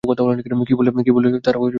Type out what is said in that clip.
কি বললে তারা খুশি হয় তাও জানি না।